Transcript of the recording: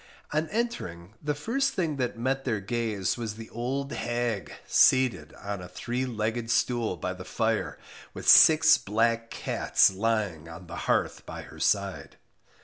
On entering, the first thing that met their gaze was the old hag, seated on a three legged stool by the fire, with six black cats lying on the hearth by her side.